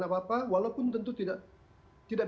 tidak apa apa walaupun tentu tidak